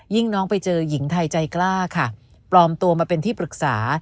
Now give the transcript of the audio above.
น้องไปเจอหญิงไทยใจกล้าค่ะปลอมตัวมาเป็นที่ปรึกษา